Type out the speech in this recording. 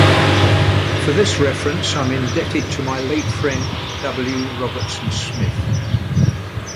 For this reference I am indebted to my late friend W. Robertson Smith.